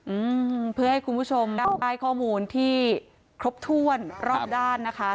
อืมเพื่อให้คุณผู้ชมได้ป้ายข้อมูลที่ครบถ้วนรอบด้านนะคะ